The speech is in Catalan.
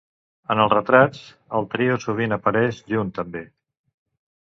En els retrats, el trio sovint apareix junt també.